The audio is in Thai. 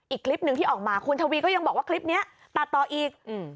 อีกคลิปหนึ่งที่ออกมาคุณทวีก็ยังบอกว่าคลิปนี้ตัดต่ออีก